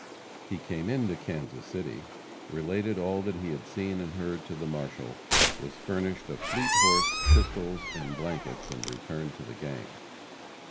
He came into Kansas City, related all that he had seen and heard to the marshal; was furnished a fleet horse, pistols and blankets, and returned to the gang.